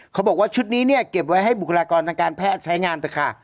เขาบอกว่าชุดนี้เนี่ยเก็บไว้ให้บุคลากรทางการแพทย์ใช้งานเถอะค่ะ